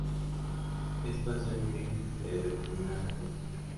Esto hacía muy difícil el determinar la causa.